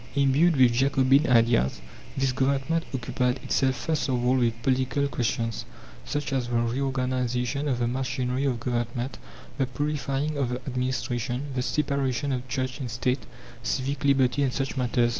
Imbued with Jacobin ideas, this Government occupied itself first of all with political questions, such as the reorganization of the machinery of government, the purifying of the administration, the separation of Church and State, civic liberty, and such matters.